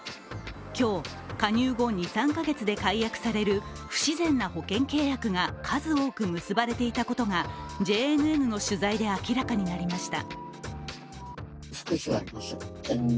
今日、加入後２３か月で解約される不自然な保険契約が数多く結ばれていたことがＪＮＮの取材で明らかになりました。